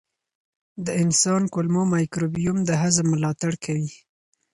د انسان کولمو مایکروبیوم د هضم ملاتړ کوي.